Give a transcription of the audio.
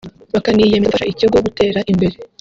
bakaniyemeza gufasha ikigo gutera imbere